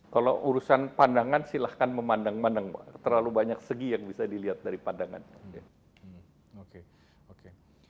terima kasihiki pak